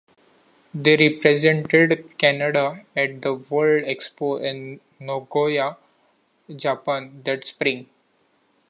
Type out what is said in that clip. They represented Canada at the World Expo in Nagoya, Japan that Spring.